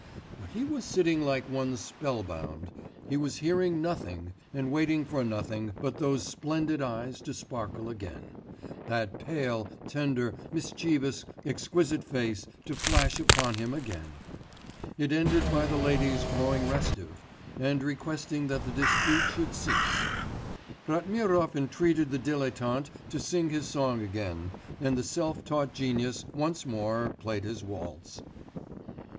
But he was sitting like one spell bound, he was hearing nothing, and waiting for nothing but for those splendid eyes to sparkle again, that pale, tender, mischievous, exquisite face to flash upon him again.... It ended by the ladies growing restive, and requesting that the dispute should cease.... Ratmirov entreated the dilettante to sing his song again, and the self taught genius once more played his waltz....